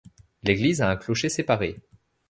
L'église a un clocher séparé.